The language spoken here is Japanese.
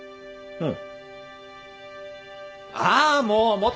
うん。